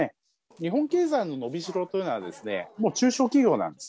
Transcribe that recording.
日本経済の伸びしろというのは、もう中小企業なんです。